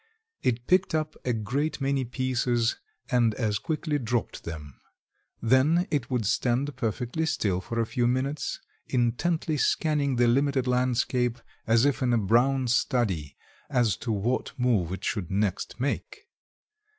It picked up a great many pieces and as quickly dropped them. Then it would stand perfectly still for a few minutes intently scanning the limited landscape as if in a brown study as to what move it should next make.